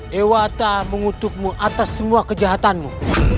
dewata mengutukmu atas semua kejahatanmu